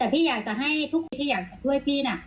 แต่พี่อยากจะให้ทุกคนที่อยากจะช่วยพี่น่ะ